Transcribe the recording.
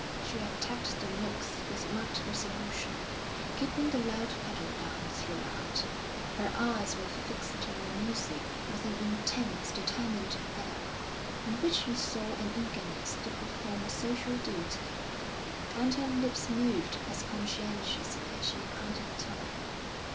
She attacked the notes with marked resolution, keeping the loud pedal down throughout; her eyes were fixed on the music with an intense, determined air, in which you saw an eagerness to perform a social duty, and her lips moved as conscientiously she counted time.